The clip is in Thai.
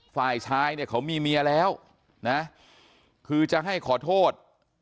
ฝ่ายชายเนี่ยเขามีเมียแล้วนะคือจะให้ขอโทษ